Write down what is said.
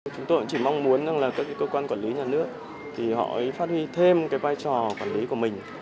chúng tôi chỉ mong muốn các cơ quan quản lý nhà nước phát huy thêm vai trò quản lý của mình